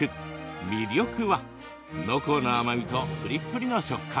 魅力は濃厚な甘みとプリップリの食感。